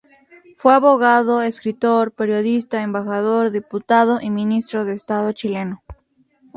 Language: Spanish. Fue abogado, escritor, periodista, embajador, diputado y ministro de estado chileno.